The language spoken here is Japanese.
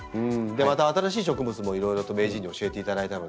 また新しい植物もいろいろと名人に教えていただいたので。